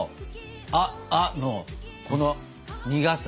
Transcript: ア．アのこの苦さ。